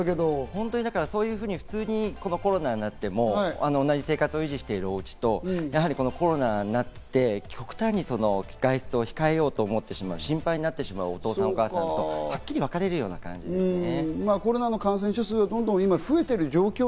本当に、そういうふうにコロナになっても、同じ生活を維持しているお家とやはりコロナになって極端に外出を控えようと思ってしまう、心配になってしまうお父さんお母さんと、はっきり分かれるような感じですね。